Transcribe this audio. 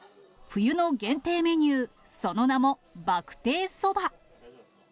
冬の限定メニュー、その名もバクテーそば。